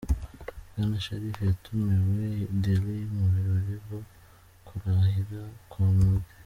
Bwana Sharif yatumiwe i Delhi mu birori bwo kurahira kwa Modi.